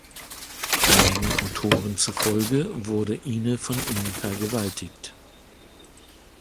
Einigen Autoren zufolge wurde Ine von ihm vergewaltigt.